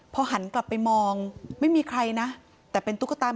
คุณยายบอกว่ารู้สึกเหมือนใครมายืนอยู่ข้างหลัง